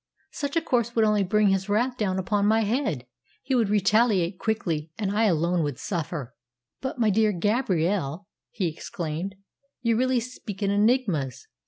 "Such a course would only bring his wrath down upon my head. He would retaliate quickly, and I alone would suffer." "But, my dear Gabrielle," he exclaimed, "you really speak in enigmas.